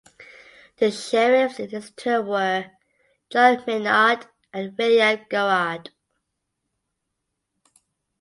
The sheriffs in his term were John Maynard and William Garrard.